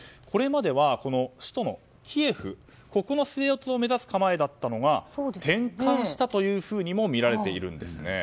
これまでは、首都キエフの制圧を目指す構えだったのが転換したというふうにもみられているんです。